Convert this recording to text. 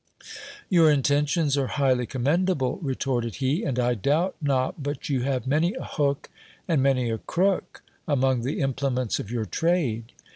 Your intentions are highly commendable, retorted he; and I doubt not but you have many a hook and many a crook among the implements of your trade.